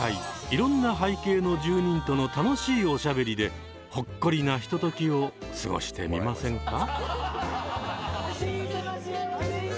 いろんな背景の住人との楽しいおしゃべりでほっこりなひとときを過ごしてみませんか？